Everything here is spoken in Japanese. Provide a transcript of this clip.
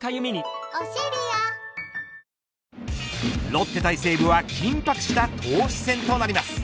ロッテ対西武は緊迫した投手戦となります。